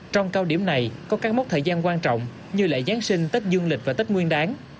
trong cao điểm này có các mốc thời gian quan trọng như lễ giáng sinh tết dương lịch và tết nguyên đáng